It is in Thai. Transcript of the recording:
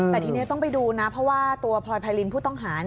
แต่ทีนี้ต้องไปดูนะเพราะว่าตัวพลอยไพรินผู้ต้องหา